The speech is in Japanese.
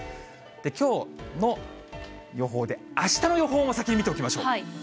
きょうの予報で、あしたの予報を先に見ておきましょう。